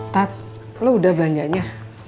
tat lo udah belanjanya